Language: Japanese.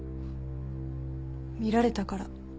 見られたから。